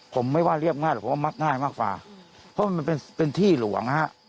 ผมไม่ว่าเรียบง่ายหรอกผมว่ามักง่ายมากกว่าเพราะมันเป็นเป็นที่หลวงฮะ